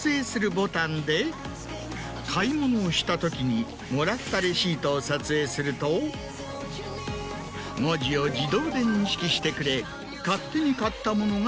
ボタンで買い物をした時にもらったレシートを撮影すると文字を自動で認識してくれ勝手に。